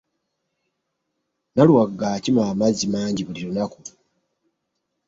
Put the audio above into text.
Naluwaga akima amazzi mangi buli lunaaku.